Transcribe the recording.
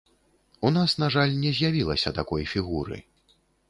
У нас, на жаль, не з'явілася такой фігуры.